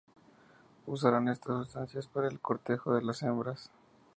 Usarán estas sustancias para el cortejo a las hembras.